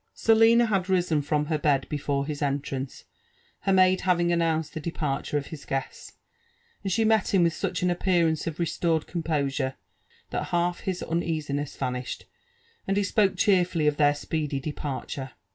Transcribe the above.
Selina had risen from her bed before his entrance, her maid having announced the departure of his guests ; and she met him with such an appearance of restored composure, that half his uneasiness vanished, and he spoke cheerfully of their speedy departure.